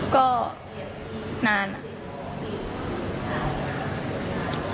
ก็นานอะ